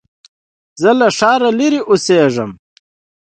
زه له ښاره لرې اوسېږم